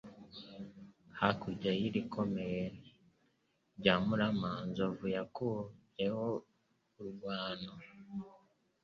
Hakurya y'irikomeye rya Murama, nzovu zawukubyeho urwano,